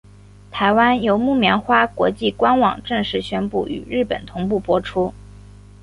台湾由木棉花国际官网正式宣布与日本同步播出。